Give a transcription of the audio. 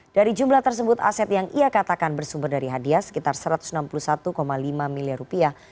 dari jumlah tersebut aset yang ia katakan bersumber dari hadiah sekitar satu ratus enam puluh satu lima miliar rupiah